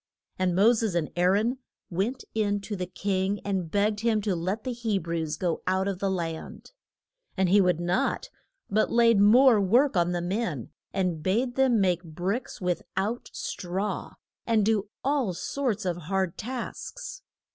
And Mo ses and Aa ron went in to the king and begged him to let the He brews go out of the land. And he would not, but laid more work on the men, and bade them make bricks with out straw, and do all sorts of hard tasks.